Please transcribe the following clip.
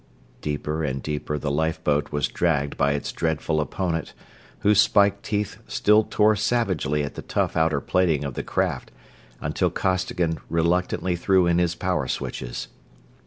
Deeper and deeper the lifeboat was dragged by its dreadful opponent, whose spiked teeth still tore savagely at the tough outer plating of the craft until Costigan reluctantly threw in his power switches.